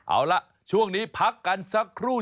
เอาล่ะช่วงนี้พักกันสักครู่